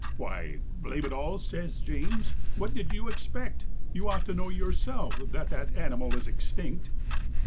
"Why, blame it all," says James, "what did you expect? You ought to know yourself that that animal is extinct!"